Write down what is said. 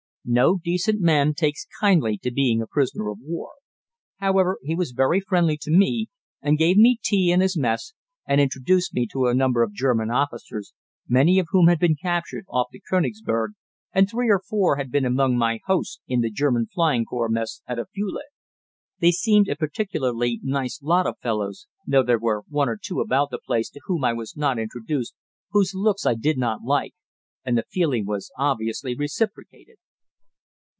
No decent man takes kindly to being a prisoner of war. However, he was very friendly to me, and gave me tea in his mess and introduced me to a number of German officers, many of whom had been captured off the Konigsberg, and three or four had been among my hosts in the German flying corps mess at Afule. They seemed a particularly nice lot of fellows, though there were one or two about the place to whom I was not introduced whose looks I did not like, and the feeling was obviously reciprocated.